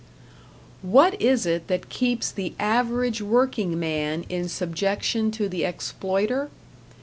What is it that keeps the average workingman in subjection to the exploiter?